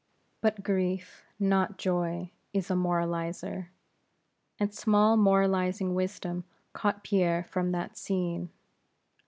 But Grief, not Joy, is a moralizer; and small moralizing wisdom caught Pierre from that scene.